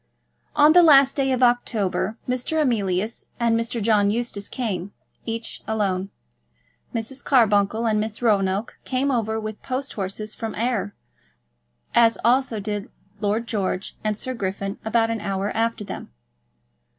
On the last day of October, Mr. Emilius and Mr. John Eustace came, each alone. Mrs. Carbuncle and Miss Roanoke came over with post horses from Ayr, as also did Lord George and Sir Griffin about an hour after them.